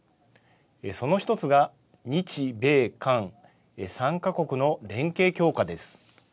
その１つが日米韓３か国の連携強化です。